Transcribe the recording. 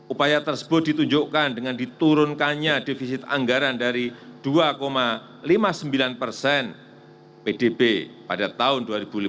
upaya tersebut ditunjukkan dengan diturunkannya defisit anggaran dari dua lima puluh sembilan persen pdb pada tahun dua ribu lima belas